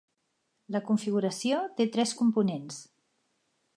La configuració té tres components.